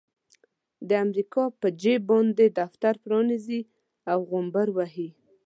د امريکا په جيب باندې دفتر پرانيزي او غومبر وهي.